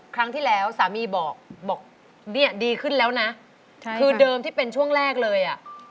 ครั้งที่แล้วสามีบอกบอกเนี่ยดีขึ้นแล้วนะคือเดิมที่เป็นช่วงแรกเลยอ่ะ